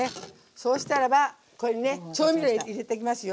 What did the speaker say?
そうしたらばこれにね調味料入れていきますよ。